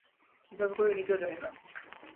কীভাবে করি নিজেও জানি না।